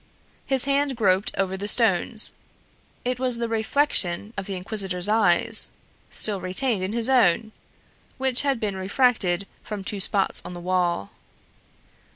His hand groped over the stones: it was the reflection of the inquisitor's eyes, still retained in his own, which had been refracted from two spots on the wall.